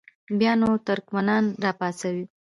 بیا نو ترکمنان را پاڅوم.